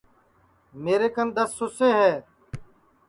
میر کن دؔس سُسے ہے